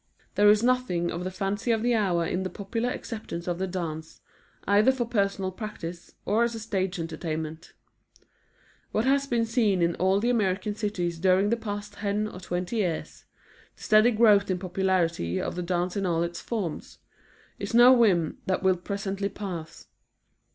There is nothing of the fancy of the hour in the popular acceptance of the dance, either for personal practice, or as a stage entertainment. What has been seen in all the American cities during the past ten or twenty years the steady growth in popularity of the dance in all its forms is no whim that will presently pass.